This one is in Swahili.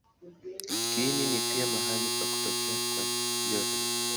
Kiini ni pia mahali pa kutokea kwa joto.